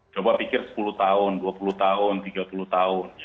coba pikir sepuluh tahun dua puluh tahun tiga puluh tahun